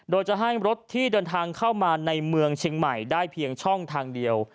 โดยจะให้รถที่เดินทางเข้ามาในเมืองเชียงใหม่ได้เพียงช่องทางเดียว